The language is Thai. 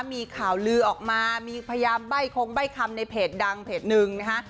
มีข่าวลือออกมามีพยายามใบ้คงใบ้คำในเพจดังเพจหนึ่งนะฮะ